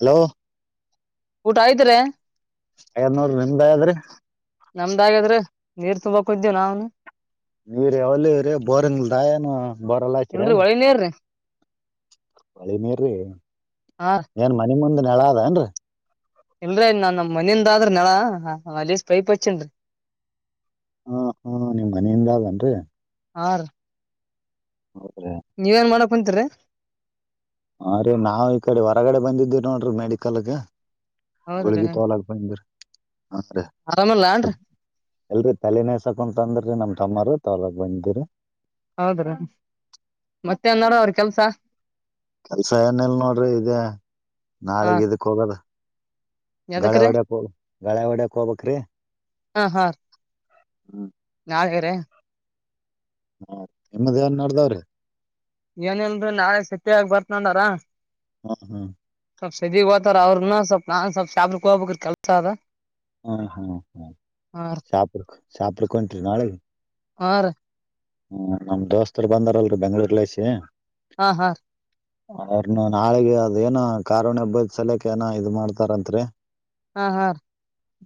Hello ಊಟ ಆಯತ್ರಯಾ ನೋಡಿ ನಿಮ್ದಾಯಾದ್ರಿ ನಮ್ದಾಗಾದ್ರೆ ನೀರ್ ತುಂಬಕ ಹೋಗಿದ್ದೇವ ನಾವ್ನು ನೀರಿ ಅವಲ ರೀ ಬೋರ್ಂಗಲ್ದ ಏನು ಬೋರ್ ಎಲ್ಲ ಆಯತರಿ ಇಲ್ರಿ ಏನ್ರಿ ಹೊಳಿ ನೀರ್ರಿ ಹೊಳಿ ನೀರರೀ ಹಾ ಏನ್ ಮನ ಮುಂದ್ ನೆಳಾ ಅದೇನ್ರಿ ಇಲ್ರೀ ನಾನ್ ನಮ್ಮ ಮನಿಂದ ಆದ್ರ ನಳಾ ಅಲ್ಸಿ ಪೈಪ್ ಹಚ್ಚೇನ್ರಿ ಹಾ ಹಾ ನಿಮ್ ಮನೆಯಿಂದ ಆಗೇನ್ರರಿ ಆ ನೀವೇನ್ ಮಾಡಕ್ ಕುಂತರಿ ಹ ರೀ ನಾವು ಈ ಕಡೆ ಹೊರಗಡೆ ಬಂದಿದ್ದೀವಿ ನೋಡ್ರಿ ಮೆಡಿಕಲ್ ಗ ಹೌದ್ರಿ ಗೂಳಗಿ ತೋಲಾಗ ಬಂದ್ರ ಹೀ ಸ್ವ ಆರಾಮಲ್ಲಾನ್ರಿ ಎಲ್ರಿ ತಲೆ ನೇಸಕ್ ಅಂತ ಅಂದ್ರೀ ನಮ ಟ ಮಾಡಾರ ತಾವಲ ಬಂದಿದ್ದೀರ ಹೌದ್ರೀ ಮತ್ತೆನ್ ನೋಡದಾವ ಕೆಲ್ಸಾ ಕೆಲ್ಸ ಏನಲ್ ನೋಡ್ರಿ ಇದೇ ಹಾ ನಾಳಗ್ ಇದಕ್ ಹೋಗದ ಗಳೆ ಎದಕ್ರಿ ಹೋಡೆಕ್ ಹೋಗ ಗಳೆ ಹೊಡಕ್ ಹೋಗಬೇಕರಿ. ಹಾ ಹಾ ಹ್ಮ್ [unintelligible] ಹಾ ನಿಮ್ಮದ್ ಏನ್ ನಡ್ದದ್ರಿ ಏನಿಲ್ಲ ರೀ ನಾಳೆ ಸೆಪ್ಪಿ [unintelligible] ಬರ್ತಾನಂದರ. ಹ್ಮ ಹ್ಮ್ ಸದಿಗ್ ಹೋತಾರ ಅವ್ರನ ಸ್ವಲ್ಪ ನಾನ್ ಶಾಹಪುರ ಹೋಗ್ಬೇಕ ಸ್ವಲ್ಪ ಕೆಲಸ ಅದ. ಹ್ಮ ಹ್ಮ್ ಹ್ಮ ಹಾ ರೀ ಶಾಪುರಕ್ ಶಾಹಪುರಕ ಹೋಟಿರ ನಾಳಿಗಿ ಹಾರೀ ಹ್ಮ್ ನಮ್ ದೋಸ್ತರು ಬಂದಾರಲ್ರಿ ಬೆಂಗ್ಳೂರ್ ರ್ಲ ಐಸಿ ಹಾ ಹಾ ಅವ್ರನು ನಾಳೆಗೆ ಅದ ಏನ ಕಾರುಣಿ ಹಬ್ಬದ ಸಲಯಕ್ ಏನ ಇದ್ ಮಾಡ್ತಾರತ್ರಿ ಹಾ ಹಾ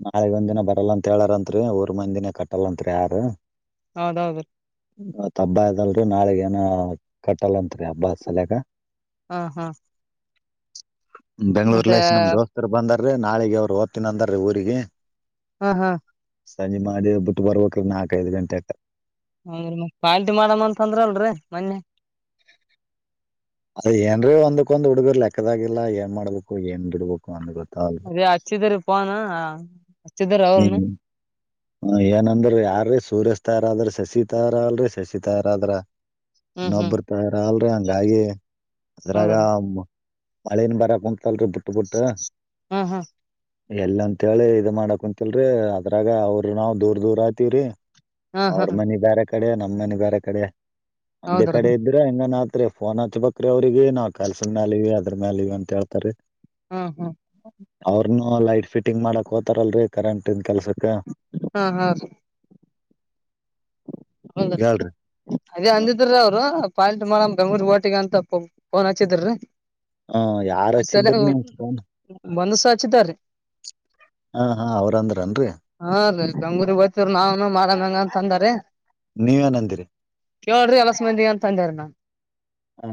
ನಾಳಗ್ ಒಂದ ದಿನ ಬರಲ್ಲಂತತ್ ಹೇಳಾರಂತ್ರಿ ಊರ್ ಮಂದಿನ ಕಟ್ಟಲ್ಂರಿ ಯಾರ ಹೌದೌದು ರೀ ತ್ ಹಬ್ಬ ಇದಲ್ರರಿ ನಾಳಗ ಏನ ಕಟ್ಟಲ್ಲತ್ರಿ ಹಬ್ಬ ಸಲ್ಯ ಹಾ ಹಾ ಮತ್ತೆ ಬೆಂಗ್ಳೂರ್ಲಸ ನಮ್ ದೋಸ್ತರು ಬಂದಾರೀ ನಾಳಿಗೆ ಅವ್ರು ಹೋಗ್ತನಿ ಅಂದಾರೀ ಊರಿಗೆ ಹ್ ಹಾ ಸಂಜೆ ಮಾದೇ ಬಿಟ್ಟು ಬರ್ಬೇಕ ನಾಲ್ಕೈಐದು ಗಂಟೆಕ ಮ ಪಾರ್ಟಿ ಮಾಡಮ್ಮ ಅಂತ ಅಂದ್ರ ಅಲ್ರರಿ ಮೊನ್ನೆ ಅದ ಏನ್ರೀ ಒಂದಕ್ಕ ಒ್ ಹುಡುಗರ್ ಲೆಕ್ಕದಾಗಿಲ್ಲಾ ಏನ್ ಮಾಡ್ಬೇಕು ಏನ್ ಗಿಡ್ಬೇಕು ಅಂದ್ ಗೊತ್ತ ಅದ ಅಚ್ಚು ತರಿ ಪಾನ ಅಚ್ಚುದರ ಅವರುಣ ಹ ಏನಂದ್ರ ಯಾರೀ ಸೂರ್ಯಸ್ ತಯಾರ ಆದ್ರ ಶಶಿ ತಾರ ಅಲ್ರರಿ ಶಶಿ ತಯಾರ ಆದ್ರ ಹ್ಮ್ ಹ್ಮ್ ಇನ್ನೊಬ್ಬರ್ತಾರ ಅಲ್ರಿ ಹಂಗಾಗಿ ಹೌದಾರ ಅದ್ರಾಗ ಮಳೇನ್ ಬರಕ್ ಕುಂತಲ್ರರಿ ಬಿುಟ್ಟ ಬುಟ್ಟ ಹ್ ಹಾ ಎಲ್ಲಂತೇಳಿ ಇದ ಮಾಡಕ ಕುಂತಲ್ರಿ ಅದ್ರಾಗ ಅವ್ರ ನಾವು ದೂರ್ ದೂರ ಆಗತಿವ್ರಿ ಹ್ಮ್ ಅವ್ರ ಹ್ಮ್ ಮನೆ ಬ್ಯಾರೆ ಕಡೆ ನಮ್ಮ್ ಮನೆ ಬ್ಯಾರೆ ಕಡೆ ಅಂದೇ ಹೌದ್ರ ಕಡೆ ಇದ್ರೆ ಹೆಂಗ ನ ತ್ರಿ ಫೋನ್ ಹಚ್ಬೇಕ್ರ ಅವ್ರಿಗೆ ನಾವು ಕೆಲ್ಸ ಮ್ಯಾಲಿವ ಅದ್ರ ಮ್ಯಾಲಿವ ಅಂತ ಹೇಳ್ತಾರ ಹ್ಮ ಹ್ಮ ಅವ್ರನು ಲೈಟ್ ಫಿಟಿಂಗ್ ಮಾಡಕ್ ಹೋತಾರಲ್ರರಿ ಕರೆಂಟ್ ಇನ್ ಕೆಲ್ಸಕ್ ಹಾ ಹಾ ರೀ ಹೇಳ್ರಿ ಅದೇ ಅಂದಿದ್ರ್ರ ಅವ್ರು ಬಾಯಿಲ್ ತಮ್ಮ ನಾವು ಬೆಂಗಳೂರಿಗೆ ಹೊಂಟಿವಿ ಅಂತ ಫೋನ್ ಹಚ್ಚಿದ್ರೀ ಹ ಯಾರ್ ಹಚ್ಚಿದ್ರ ನೀಮ ಫೋನ್ ಒಂದುಸಚ್ದ್ರೀ ಹಾ ಹಾ ಅವ್ರ ಅಂದ್ರನ್ರಿ ಬೆಂಗಳೂರು ಹೋಗ್ತೀವಿ ನಾವನ ಮಾಡಣಂಗ ಅಂತ ಅಂದಾರೆ ನೀವೇನಂದಿರಿ ಕೇಳ್ರರು ಎಲಸ ಮಂದಿ ಅಂತ ಅಂದಾರ ನಾನ್ ಹಾ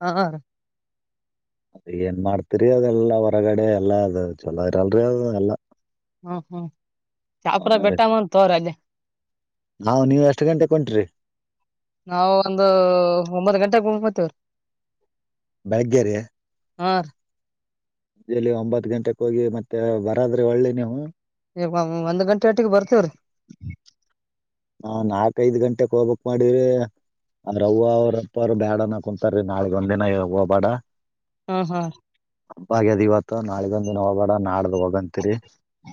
ಹ ಅದ ಏನ್ ಮಾಡ್ತಿರಿ ಅದೆಲ್ಲಾ ಹೊರಗಡೆ ಎಲ್ಲಾ ಅದು ಚೊಲೋ ಇರಲ್ರಿ ಅದ ಎಲ್ಲ ಹ್ಮ್ ಹ್ಮ್ ಚಾಪುರ ಬೆಟ್ಟಮ್ಮನ್ ತೋ್ರ ಅಲ್ಲಿ ನಾ್ ನೀವು ಎಷ್ಟು ಗಂಟೆ ಕೊ ನಾವವು ಒಂದು ಒಂಬತ್ತು ಗಂಟೆೆಗೆ ಮುೋಗ ಮತೇವ್ರ ಬೆಳಗ್ಗೆರೆ ಆ ಎಲ್ಲಿ ಒಂಬತ್ ಗಂಟೆಕ್ ಹೋಗಿ ಮತ್ತೆ ಬರದ್ರೆ ಒಳ್ಳಿ ನೀವು ಒಂದ್ ಗಂಟೆ ಒಟ್ಟಿಗೆ ಬರ್ತೇವ್ರಿ ನಾ ನಾಕಐದ್ ಗಂಟೆಕ್ ಹೋಗ್ಬಕ್ ಮಾಡಿದ್ರ ಅ್ರ ಅವವ್ವ ಅವ್ರಪ್ಪ ಅವರು ಬ್ಯಾಡನ ಕುಂತಾರೀ ನಾಗ ಒಂದ್ಿನ ಹವ ಬೇಡ ಹ್ಮ ಹ್ಮ್ ಬಾಗ್ಯದ್ ಇವತ್ತು ನಾಳಗ ಒಂದ ದಿನ ಹೋಗಬೇಡ ನಾಡ್ದ ಹೋಗಂತಿರಿ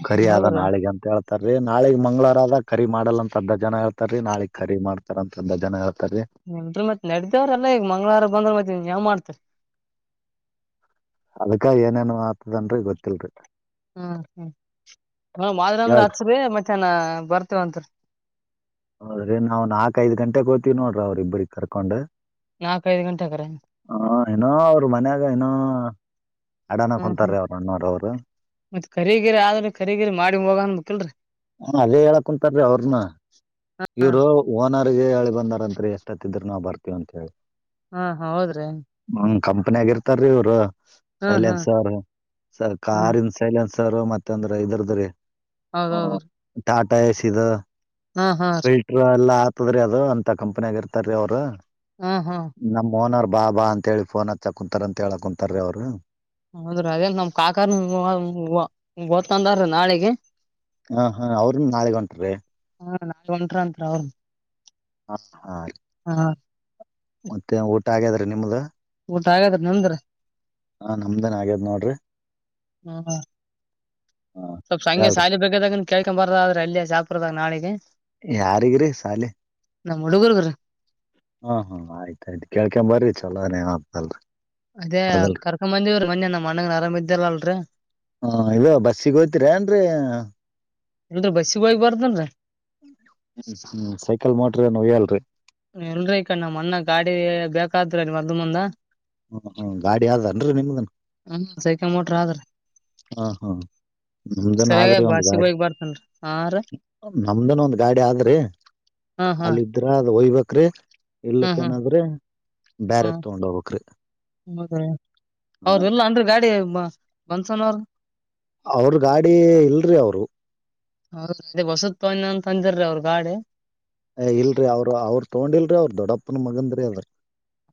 ಕರಿ ಆದದ ಹೌದ್ರಿ ನಾಳಗ ಅಂತ ಹೇಳ ನಾಳಗ್ ಮಂಗ್ವಾರ ಆದದ ಕರಿ ಮಾಡಲ್ಲ ಅಂತ ಅರ್ ಜನ ಹೇಳ್ತಾರೀ ನಾಳಗ್ ಕರಿ ಮಾಡ್ತಾರ ಅಂತ ಅದ್ದ ಜನ ಹೇಳ್ತ ಎ ಮತ್ ನಡ್ದೇವ್ರ ಎಲ್ಲ ಈಗ ಮಂಗ್ವಾರ ಬಂದ್ರ ಮತ್ತತ್ನ್ಾವ್ ಮಾಡ್ತರಿ ಅದಕ್ಕ ಏನೇನ್ ಮಾತದನ್ರರಿ ಗೊತ್ತಿಲ್ರಿ ಹ್ಮ್ ಹ್ಮ್ ಮಾದರಿ ಅಂದ್ರೆ ಹೇಳ್ರಿ ಹಚ್ಬ ಮತ್ತ್ಯಾನ ಬರ್ತೇವ ಅಂತರಿ ಹೌದ್ರಿ ನಾವವು ನಾಕಕ್ ಐದು ಗಂಟೆಗೋ್ತೀವಿ ನೋಡ್ರಿ ಅವ್ರರಿಬ್ಬ್ರಗ್ ಕರ್ಕೊಂಡ್ ನಾಲ್ಕ್ ಐದು ಗಂಟೆ ಹಕ್ರೆ ಹ ಏನ ಅವರು ಮನ್ಯಾಗ ಏನ ಅಡಾನ ಕುಂತಾರೀ ಅವ್ರ ಅಣ್ಣೋರ ಅವರು ರೀಗಿರಿ ಆದ್ರೆ ರೀಗಿರಿ ಮಾಡಿ ಹೋಗನ್ಬೇಕೇಕಲ್ರರಿ ಅದೇ ಹೇಳಕ ಕುಂತಾರೀ ಅವ್ರನ ಇವರು ನನಗೆ ಹೇಳಿ ಬಂದಾರತ್ರಿ ಎಷ್ಟ ಹತ್ತಿದ್ರರು ನಾವವು ಬರ್ತೀವ ಅಂತ ಹೇಳಿ ಹಾ ಹ ಹೌದ್ರಿ ಕಂಪನಿ ಆಗ ಇರ್ತೀ ಇವರು ಹ್ಮ್ ಹ್ಮ್ ಸೈಲೆನ್ಸ್ ಸ ಹ್ಮ್ ಕಾರ್ ಇನ್ ಸೈಲೆನ್ಸ್ ರ್ ಮತ್ತ ಅಂದ್ರೆ ಇದ್ರದ್ರೀ ಅದ ಟಾಟಾ ಎಸಿದ ರೀ ಫಿಲ್ಟರ್ ಎಲ್ಲಾ ಆತದ್ರೀ ಅದು ಅಂತ ಕಂಪನಿ ಆಗ ಇರ್ತಾರೀ ಅವರು ಹಾ ಹಾ ನಮ ಓನರ್ ಬಾ ಬಾ ಅಂತ ಹೇಳಿ ಫೋನ್ ಹಚ್ಚ ಕುಂತಾರ ಅಂತ ಹೇಳ ಕುಂತಾರೀ ಅವರು ಹೌದ್ರೀ ಅದೇಲ್ ನಮ್ ಕಾಕಾರ್ ಓ್ಕಂದಾರೀ ನಾಳೆಗೆ. ಹಾ ಹಾ ಅವ್ರನು ನಾಳೆಗ ಹೊಂಟ್ರೀ ಹಾ ನಾ ಒಂಟರಂತ ಅವ ಹಾ ಹಾ ಮತ್ತೆ ಊಟ ಆಗ್ಯಾದ್ರ ನಿಮ್ದ ಊಟ ಆ ಹಾಗಾದ ನಮಂದ್ರ ಹಾ ನಮ್ದನ್ ಆಗ್ಯದ ನೋಡ್ರಿ ಹ್ಮ ಹ ಸ್ವಲ್ಪ ಸಂಜೆ ಹೇಳ್ರಿ ಶಾಲಿ ಬೇಕದಾಗ ಕೇಳ್ಕೊ ಬರದ ಆದ್ರೆ ಅಲ್ಲಿ ಶಾಪರದಾಗ ನಾಳಿಗೆ ಯಾರಿಗಿರಿ ಸಾಲಿ ನಮ್ಮ ಹುಡುಗರುಗರ. ಹಾ ಹಾ ಆಯ್ತಾಯ್ತು ಕೇಳ್ಕೊಂಡ ಬ್ರಿ ಚಲೋನೇ ಆಗ್ತಲ್ರಿ. ಅದೇ ಕರ್ಕಂಬಂದಿವ್ರ ಮಜ ನಮ್ಮ್ ಅಣ್ಣಗನ ಆರಾಮ ಇದ್ದಲ್ಲ ಅಲ್ರ. ಹ ಇದು ಬಸ್ಸಿಗೆ ಹೋಯ್ತಿರಿ ಏನ್ರಿ ಹ್ಮ್ [inaudible] ಇದ್ರ ಬಸಿ ಬ ಬಾರ್ದನ್ರ. ಹ್ಮ್ ಸೈಕಲ್ ಮೋಟ್ರ ಏನ್ ಒಯ್ಯಲ್ರಿ ಎಲ್ರೀ ಈಕ ನಮ್ಮ್ ಅಣ ಗಾಡಿ ಬೇಕಾದರಿ ನೀ ಮದ್ದ ಮುಂದ. ಹ್ಮ್ ಹ್ಮ್ ಗಾಡಿ ಆದನ್ರಿ ನಿಮ್ದನ್ ಹ್ಮ ಸೈಕಲ್ ಮೋಟರ್ ಆದ್ರ. ಹಾ ಹಾ ನಿಮ್ದನ್ ಸರಿಯಾಗಿ ಆದ್ರಿ ಒಂದು ಬಸ್ಸಿಗೆ ಗಾಡಿ. ಹೋಗಿ ಬರ್ತೇನ್ರಿ ಹಾ ರೀ ನಮ್ದನ ಒಂದ್ ಗಾಡಿ ಆದ್ರಿ ಹಾ ಹಾ ಕಖಾಲಿದ್ರ ಅದು ಒಯ್ಬೇಕ. ಕ್ರಿ ಹ್ಮ್ ಇಲ್ಕ್ಕ ಹ್ಮ್ ಏನಾದ್ರೆ ಬ್ಯಾರೆ ತಗೊಂಡ ಹೋಗಕ್ರಿ. ಹೌದ ಅವ್ರ ಎಲ್ಲ ಅನ್ರಿ ಗಾಡಿ ಬನ್ಸನ ಅವ್ರ. ಅವ್ರ ಗಾಡಿ ಇಲ್ರಿ ಅವರು. ಹೌದ ಅ ಹೊಸತ್ನ್ ಅಂತ ಅಂದರೀ ಅವ್ರ ಗಾಡಿ. ಏ ಇಲ್ರಿ ಅವ್ರು ಅವ್ರ ತಗೊಂಡಿಲ್ರಿ ಅವ್ರ ದೊಡ್ಡಪ್ಪನ ಮಗಂದ್ರ ಅದ.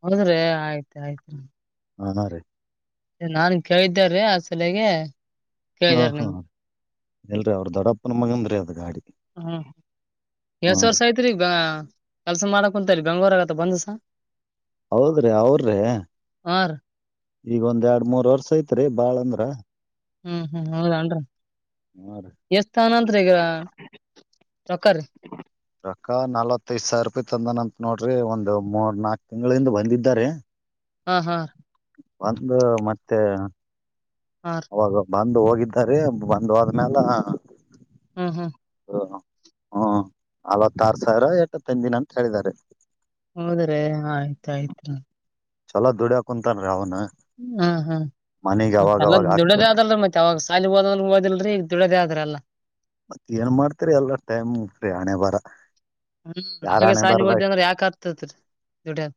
ಹೌದ್ರೆ ಆಯ್ತ್ ಆಯ್ತ್. ಹ ರೀ. ನಾನ್ ಕೇಳಿದ್ದಾರೀ ಆ ಸಲಗೆ ಕೇಳಿದಾರ ನನ್ಗೆ. ಎಲ್ರಿೀ ಅವ್ರ ದೊಡಪ್ಪನ ಮಗಂದ್ರೀ ಅದು ಗಾಡಿ. ಹ್ಮ ಹಾ ಎಳ್ಸ ರೀ ವರ್ಷ ಐತ್ರಿೀಗ ಕೆಲ್ಸ ಮಾಡಕ್ ಕುಂತರಿ ಬಂಗೂರ್ಗ. ಬಂದಸ. ಹೌದ್ರಿ ಅವ್ರ್ರೀ ಹಾ ರೀ ಈಗೊಂದ್ ಎರಡ್ ಮೂರ್ ವರ್ಷ ಐತ್ರಿ ಬಾಳ ಅಂದ್ರ. ಹ್ಮ್ ಹ್ಮ್ ಹದನ್ರಿೀ. ಹಾ ರೀ ಎಷ್ಟತಗೋನಂತ ಈಗ ರೊಕ್ಕರಿ. ರೊಕ್ಕ ನಲ್ವತ್ತೈದ್ ಸಾವಿರ ರೂಪಾಯಿ ತಂದನ ಅಂತ ನೋಡ್ರಿ ಒಂದು ಮೂರ್ ನಾಕ್ ತಿಂಗಳಿಂದ ಬಂದಿದ್ದಾ ರಿ. ಹಾ ಹಾ. ಒಂದು ಮತ್ತೆ. ಹಾ ಅವಾಗ ಬಂದು ಹೋಗಿದ್ದಾರೆ ಬಂದು ಹೋದಮೇಲೆ. ಹ್ಮ್ ಹ್ಮ್. ಹ್ಮ್ ಅಲ್ವತ್ತಾರ ಸಾವಿರ ಎಟೂ ತಂದಿದ ಅಂತ ಹೇಳಿದ್ದಾ ರಿ. ಹೌದ್ರೆ ಆಯ್ತಾಯ್ತು. ಚಲೋ ದುಡಿಯಾಕ ಕುಂತಾನ ರೀ ಅವ್ನ. ಹ್ಮ್ ಹ್ಮ್ ಮತ್ತೆಲ್ಲ ಅವಾಗ ದುಡದ ಹಾಕ್ತಿರ್ತ ಆದಲ್ರ ಮತ್ತೆ ಯಾವಾಗ. ಕಾಲಿ ಹಓದ ಹಓದಿಲ್ರರಿ ಈಗ ದುಡೋದೇ ಆದ್ರಲ್ಲ. ಮತ್ತತ್ ಏನ್ ಮಾಡ್ತರಿ ಎಲ್ಲ ಟೈಮ್ ಫ್ರೀ ಹಣೆ ಬಾರ. ಹ್ಮ್ ನಮ ಸಾಲಿ ಹೋದ ಅಂದ್ರ ಯಾಕ ಆಗ್ತತ್ರಿ ದುಡದು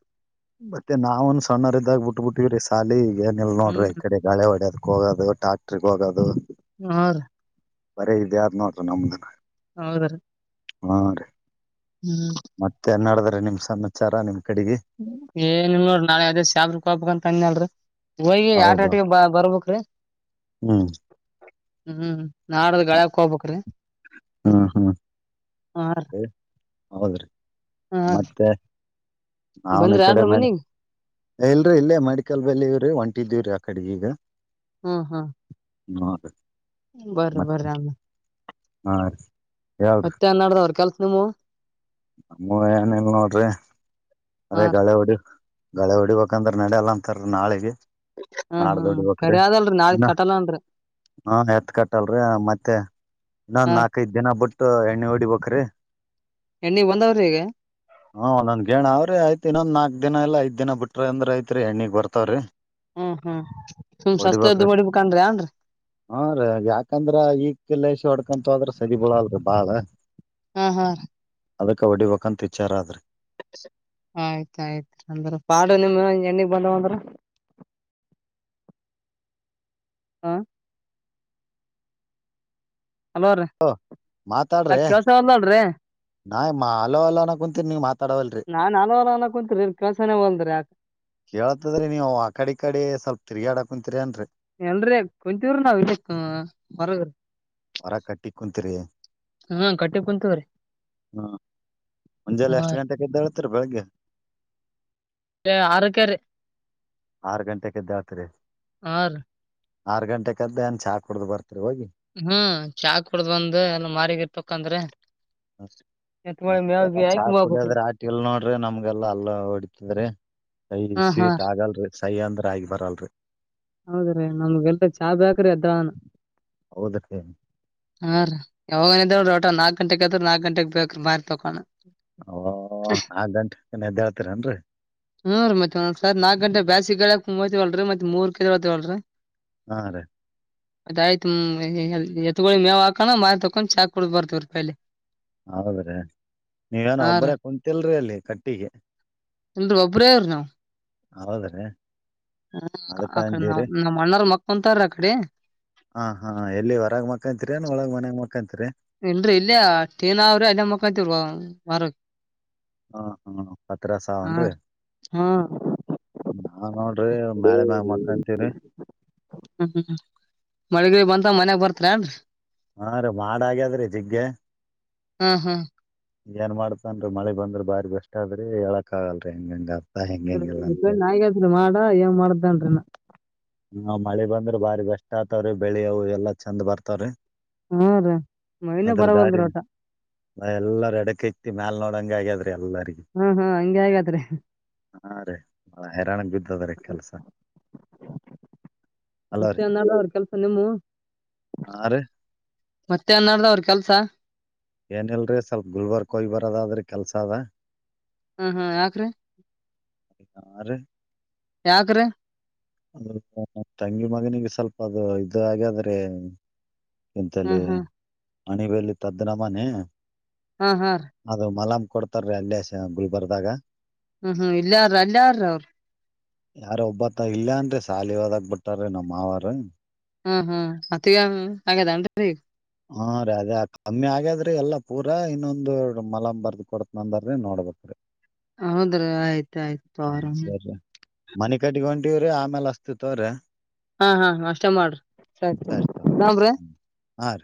ಮತ್ತೆ ನಾವನ್ ಸಣ್ಣರ್ದಾಗ ಬಿಟ್ಟ ಬಿಟ್ಟಿವವ್ರೀ ಸಾಲಿ ಏನಲ್ ನೋಡ್ರಿ ಈ ಹ್ಮ್ ಕಡೆ ಗಳೆ ಹೊಡದಕ್ ಹೋಗೋದು. ಡಾಕ್ಟ್ರಿಗೆ ಹೋಗೋದು. ಹ ರಿ. ಬರಿ ಇದೇ ಐತ ನೋಡ್ರೀ ನಮ್ದನ. ಹೌದ ರೀ. ಹಾ ರೀ ಮತ್ತೆ ನಡದ್ರ ನಿಮ್ ಸಮಾಚಾರ ನಿಮ. ಏನಲ್ ನಾಳೆ ಅದೇ ಸ್ಯಾಬ್ರ ಕ ಹಬೇಕಕ್ ಅಂತ ಅನ್ ಅಲ್ರಿ ಹೋಗೋಗಿ ಹೌದು ಏಟಾಟಿಗೆ ಬ ಬರ್ಬೇಕ್ರೀ ಹ್ಮ್ ಹ್ಮ್ ನಾಡ್ದ ಗಳ್ಯಾಕ್ ಹೋಗ್ಬ್ರೀ ಹ್ಮ ಹ್ಮ್ ರೀ ಹೌದ್ರಿ ಹಾ ರೀ ಮತ್ತೆ. ನ್ನ ಬಂದ್ರಿ ಕಡೆ ಏನ್ರಿ ಮ ಮನಿಗ್ ಇಲ್ರರಿ ಇಲ್ಲೇ ಮೆಡಿಕಲ್ ಬೆಲ್ಲಿ ಇವ್ರಿ ಒಂಟ. ಇಟ್ಟಿದ್ದೀವ ರೀ ಆ ಕಡೆ ಈಗ. ಹ್ಮ ಹಾ. [unintelligible] ಬರ ಬರ ಮತ್ತೆ ಆಮ. ಹಾ ರೀ. ಮತ್ತೆ ಅನ್ನಾಡ್ದವರು ಕೆಲ್ಸ ನೀವು. ನಮ್ಮ ಏನಲ್ ನೋಡ್ರಿ ಹಾ ಅದೇ ಗಳೆ ಹೊಡಿ. ಗಳೆ ಹೊಡಿಬೇಕಂದ್ರ ನಡಲ್ಲ ಅಂತ ರಿ ನಾಳಿಗಿ ಹ್ಮ್ ಹ್ಮ್ ಕರಿ ಅದಲ್ರಿ ನಾಳಗ್ ಕಟಲ್ಲನ್ರರಿ ಹಾ ಎತ್ ಕಟ್ಟಲ್ರಿ ಮತ್ತೆ ನಾ ಹಾ ನಾಕೈದ ದಿನ ಬಟ್ ಎಣ್ಣೆ ಹೊಡಿಬೇಕ್ರಿ ಎಣ್ಣೆಗ ಬಂದ್ರಾವಿ ಈಗ ಆಐ ಇನ್ನೊಂದ ನಾಕ ದಿನ ಇಲ್ಲ ಐದ ದಿನ ಬಿಟರ ಅ್ರ ಐತ್ರಿ ಎಣ್ಣಗಿಬರತವರಿ ಹ್ಮ್ ಹ್ಮ್ ಸುಮ್ ಸಸ್ತೆದ್ದು ಹೊಡಿಬೇಕನ್ ಅಂದ್ರೇನರಿ ಹಾ ರೀ ಯಾಕಂದ್ರ ಈಗ್ಲ್ಲಸಿ ಹೊಡ್ಕಂತ ಆದದ್ರ ಸದಿ ಬಳಲ್ರರಿ ಬಾಳ ಹಾ ಹಾ ರೀ ಅದಕ್ಕೆ ಹೊಡಿಬೇಕಂತ ವಿಚಾರ ಆದ್ರೆ ಆಯ್ತಾಯ್ತ್ ಅಂದ್ರ ಪಾಡು ನಿಮ ಎಣ್ಣಿಗ್ ಬಂದವಂದ್ರ ಹಾ ಹಲೋರಿ ಮಾತಾಡ್ರಿ ಕೆಲಸವಲ್ಲತೀರಿ ನಾ ಮಾ ಅಲೋ ಅಲ ಅನ ಕುಂತೀನಿ ನೀ ಮಾತಾಡವಲ್ರರಿ ನಾನ್ ಹಲೋರ ಅನ್ನ ಕುಂತ್ರಿ ಕೆಲ್ಸನೇ ಹೊಲ್ದ್ರಿ ಯಾಕ ಕೇಳತದ್ರಿ ನೀವು ಆ ಕಡೆ ಕಡೆ ಸ್ವಲ್ಪ ತಿರ್ಗಾಡಾಕಂತೀರಿ ಅನ್ರಿ ಎಲ್ರಿ ಕುಂತೀವ್ರ ನಾವ ಇಕ್ ವರಗ ಹೊರ ಕಟ್ಟಿ ಕುಂತೀರಿ ಹಾ ಕಟ್ಟಿ ಕುಂತವ್ರೀ ಹಾ ಮುಂಜೆಲ್ಲ ಎಷ್ಟು ಗಂಟೆಗೆದ್ದಾಳ್ತರಿ ಬೆಳಿಗ್ಗೆ ಇ ಆರಕಾರಿ ಆರ್ ಗಂಟೆ ಕದ್ದಾಡ್ತರಿ ಆ ಆರ್ ಗಂಟೆ ಕದ್ದೆ ಅನ್ ಚಾ ಕುಡ್ದ್ ಬರ್ತೀರಿ ಹೋಗಿ ಹ್ಮ್ ಚಾಕ್ ಕುಡ್ದ್ ಬಂದ್ ಎಲ್ಲ ಮಾರಿಗ ಇಟ್ತಕಂದ್ರ ಹಸ್ ನಮಗೆಲ್ಲಾ ಚಾ ಹಾಕಿ ಹೋಗ್ಬೇಕ್ರಿ ಕುಡಿಯದ್ರ ಆಟಲ್ ನೋಡ್ರಿ ನಮ್ಗೆಲ್ಲಾ ಅಲ್ಲ ಹೊಡತದ್ರಿ ಸೈ ಹಾ ಹಾ ಸ್ವೀಟ್ ಆಗಲ್ರರಿ ಸೈಯ ಅಂದ್ರ ಆಗಿ ಬರಲ್ರರಿ ಹೌದ್ರೀ ನಮ್ಗೆ ಎಲ್ಟ ಚಾ ಬೇಕ್ರಿ ಅದ್ದಾನ ಹೌದ್ರಿ ಹಾ ರೀ ಯಾವಾಗನ್ರ ರಟ ನಾಕಕ್ ಗಂಟೆಗೆತ್ ನಾಕಕ್ ಗಂಟೆಗೆಗ್ ಬೇಕ್ರೀ ಮಾರ ಓ ಆ ಗಂಟೆ ಎದ್ದೇಳ್ತೀರನ್ರರಿ ಹ್ಮ್ರಿ ಮತ್ತತ್ ಒಂದ್ಸರ್ ನಾಕಕ್ ಗಂಟ ಬಾಸಿ ಗಳಕ್ ಮು್ವಳರರಿ ಮತ್ತತ್ ಮೂರ್ ಕಲ ಹೊವಳರರಿ ಹಾ ರೀ ಅದ್ ಆಯ್ತು ಎತ್ ಮೇವ್ ಹಾಕಣ ಮಾರಿ ತಕೊಂಡ್ ಚಾಕ್ ಕುಡ ಬರ್ತವ ರೀ ಪಾಯಿ ಹೌದ್ರಿ ನೀವೇನ ಹಾ ರೀ ಒಬ್ಬರೇ ಕುಂತಲ್ರಿ ಅಲ್ಲಿ ಕಟ್ಟಿಗೆ ಒಬ್ಬರೇರ್ಜ ಹೌದ್ರೀ ಹ ಅಡೆ ನವು ನ ಮ್ಣಾರ ಮಕ್ಕ ಕುಂತಾರ ಅಕಡೆ ಹಾ ಹಾ ಎಲ್ಲಿ ಹೊರಗ ಮಕ್ಕಂತಿರಿ ಅನ್ ಒಳಗ್ ಮನ್ಯಾಗ ಮಕಂತಿರಿ ಏನ್ೀ ಇಲ್ಲೇ ಟೀನ ಅವ್ರಿ ಅಲ್ಲ ಮಕ್ಕಂತ ಮರ ಹ್ಮ ಹ್ಮ್ ಹತ್ರಸಾವನ್ರರಿ ನಾ ನೋಡ ಹ್ಮ್ಮ ಮಳಗ ಬಂತ ಮನ್ಯಾಗ ಬರ್ತ ಕಂಡ [inaudible] ಹಾ ರೀ ಮಾಡಾ ಹಾಗ್ಯದ್ರೀ ಜಿಗ್ಗಗೆ ಹ್ಮ್ ಹ್ಮ್ ಏನ್ ಮಾಡ್ತನ್ೀ ಮಳಿ ಬಂದ್ರ ಬಾರಿ ಬೆಸ್ಟ್ ಅದ್ರಿ ಹೇಳಕ್ ಆಗಲ್ರರಿ ಹಂಗ ಹಂಗ ಅ ನಯತ್ೀ ಮಾಡ ಏಂಗ ಮಾಡ್ದನ್ರೀ ನ ಹ ಮಳಿ ಬಂದ್ರೆ ಬಾರಿ ಬೆಸ್ಟ್ ಆತವ್ರೀ ಬೆಳಿವು ಎಲ್ಲಾ ಚಂದ ಬರ್ತಾವ್ರೀ ಹ್ಮ್ ರೀ ಮೈನೆ ಅದ್ರ ಬರವಲ್ದ್ರಿ ದಾರಿನ ಒಟ ಎಲ್ಲರ ಎಡಕ ಇತಿ ಮ್ಯಲ್ ನೋ ಹಂಗ ಆ್ಯೆ ಹ್ಮ್ ಹಾ ಹಗೆ ಹಗ ಹಾ ರೇ ಬಹಳ ಹೈರಾಣಗ್ ಬಿದ್ದದ ರೀ ಕೆಲ್ಸ ಅಲೋ ಮತ್ತೆ ರೀ ನಳ ಅವ್ರ ಕೆಲ್ಸ ನಿಮ್ಮು ಹಾ ರೀ ಮತ್ತೆ ಅನ್ನಡ್ದ ಅವ್ರ ಕೆಲ್ಸ ಏನಲ್ರೀ ಸ್ವಲ್ಪ್ ಗುಲ್ಬರ್ಕೋಯ್ ಬರೋದಾದ್ರೆ ಕೆಲ್ಸ ಅದ ಹ್ಮ ಹ್ಮ ಯಾಕ್ರೀ ್ರ [inaudible] ಯಾಕ್ರ ಅ ತಂಗಿ ಮಗನಿಗೆ ಸ್ವಲ್ಪ ಅದು ಇದು ಹಾಗಾದ್ರೆ ಎಂತಲ್ಲಿ ಹ್ಮ್ ಹ್ಮ್ ಅಣಬಲ್ಲಿ ತದನಮ್ಮನ ಹಾ ಹಾ ರೀ ಅದು ಮಲಂ ಕೊಡ್ತಾರೀ ಅಲ್ಲೇ ಗುಲ್ಬರ್ದಾಗ ಹ್ಮ್ ಹ್ಮ್ ಇಲ್ಲಾರ್ರ ಅಲ್ಲಾರ್ರ ಅವ್ರ ಯಾರ ಒಬ್ಬತ್ತ ಇಲ್ಲಯ ಅನ್ರಿ ಸಾಲಿ ಹದಾಗ ಬಿಿಟ್ಟಾರ ನಮ್ಮ್ ಮಾವಾರ ಹ್ಮ್ ಹ್ಮ್ ಮತ್ತಗ ಅಂಗದಟ ರೀ ಹಾ ರೀ ಅದೇ ಕಮ್ಮಿ ಆಗಾದ್ರೆ ಎಲ್ಲಾ ಪೂರ ಇನ್ನೊಂದಂದು ಮಲ ಬರ್ದ್ ಕೊಡತ ನಂದ್ರ ನೋಡ್ಬೇಕೀ ಹೌದ್ರ ಆಯ್ತ ಆಾಯ್ತು ಆರಾಮ ಮನೆ ಕಟ್ಗಂಟಿವವ್ರೀ ಆಮೇಲ್ ಅಸ್ತಿತ್ವ್ರೀ ಹಾ ಹಾ ಅಷ್ಟೆ ಮಾಡ್ರಿ ಸರಿ ತಗೋ ನಬ್ರಿ ಹ್ಮ್ ಹಾ ರೀ